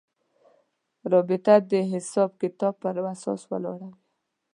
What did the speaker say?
رابطه د حساب کتاب پر اساس ولاړه وه.